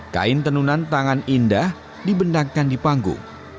kain tenunan tangan indah dibendangkan di panggung